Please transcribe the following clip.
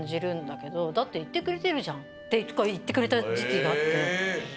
だっていってくれてるじゃん」って１かいいってくれたじきがあって。